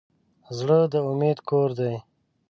زړه د امید کور دی.